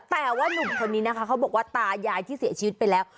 แต่ว่านุ่มคนนี้นะคะเขาบอกว่าตายายที่เสียชีวิตไปแล้ว